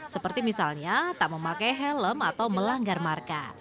seperti misalnya tak memakai helm atau melanggar marka